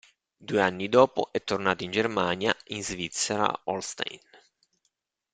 Due anni dopo è tornato in Germania in Svizzera Holstein.